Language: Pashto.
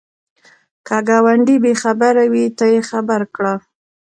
که ګاونډی بې خبره وي، ته یې خبر کړه